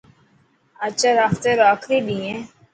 آچر هفتي رو آخري ڏينهن هي.